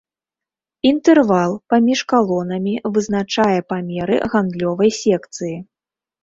Інтэрвал паміж калонамі вызначае памеры гандлёвай секцыі.